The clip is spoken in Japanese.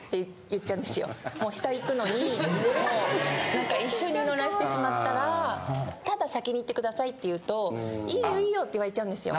なんか一緒に乗らせてしまったらただ「先に行ってください」って言うと「いいよいいよ」って言われちゃうんですよ。